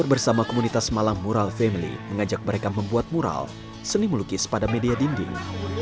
bersama komunitas malam mural family mengajak mereka membuat mural seni melukis pada media dinding